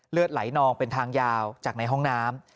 เลือดไหลนองเป็นทางยาวจากในห้องน้ำ